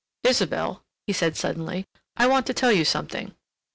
"Isabelle," he said suddenly, "I want to tell you something."